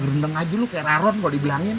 gerendeng aja lu kayak rarot kalo dibilangin